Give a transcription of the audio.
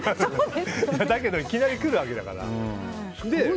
だけどいきなり来るわけだから。